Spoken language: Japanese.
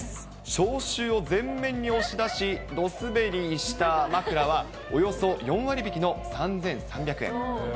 消臭を全面に押し出し、ドすべりした枕は、およそ４割引きの３３００円。